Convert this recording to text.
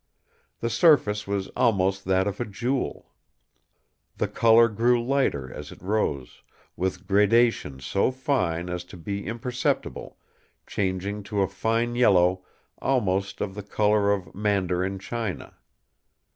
The surface was almost that of a jewel. The colour grew lighter as it rose, with gradation so fine as to be imperceptible, changing to a fine yellow almost of the colour of "mandarin" china.